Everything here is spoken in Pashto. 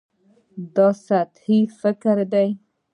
دا سطحي فکر دی.